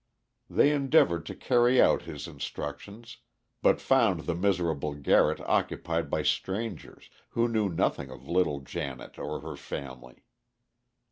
They endeavored to carry out his instructions, but found the miserable garret occupied by strangers who knew nothing of little Janet or her family.